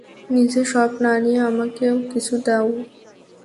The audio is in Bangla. নিজে সব না নিয়ে আমাকেও কিছু দাও।